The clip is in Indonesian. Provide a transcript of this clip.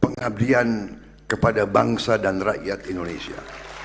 pengabdian kepada bangsa dan rakyat indonesia